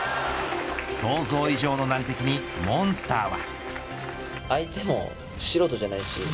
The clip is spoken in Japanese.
想像以上の難敵にモンスターは。